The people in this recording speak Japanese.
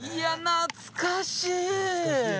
懐かしいね。